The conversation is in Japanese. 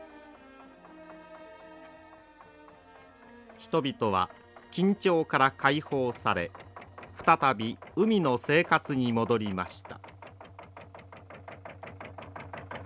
人々は緊張から解放され再び海の生活に戻りました。